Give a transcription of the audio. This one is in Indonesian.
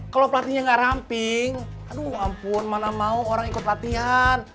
kalau pelatihnya gak ramping aduh ampun mana mau orang ikut latihan